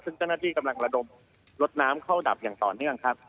ซึ่งเจ้าหน้าที่กำลังระดมลดน้ำเข้าดับอย่างต่อเนื่องครับ